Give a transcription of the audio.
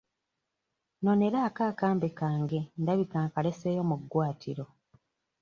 Noneraako akambe kange ndabika nkaleseeyo mu ggwaatiro.